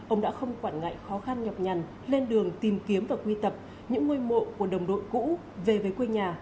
ông đã không quản ngại khó khăn nhọc nhằn lên đường tìm kiếm và quy tập những ngôi mộ của đồng đội cũ về với quê nhà